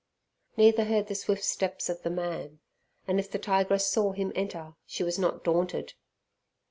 Neither heard the swift steps of the man, and if the tigress saw him enter, she was not daunted.